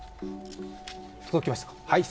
届きましたか。